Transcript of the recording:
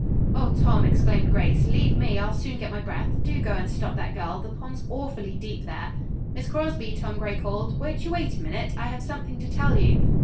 "O Tom," exclaimed Grace. "Leave me. I'll soon get my breath. Do go and stop that girl. The pond's awfully deep there." "Miss Crosby," Tom Gray called, "won't you wait a minute? I have something to tell you."